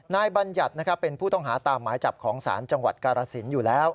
บัญญัติเป็นผู้ต้องหาตามหมายจับของศาลจังหวัดกาลสินอยู่แล้ว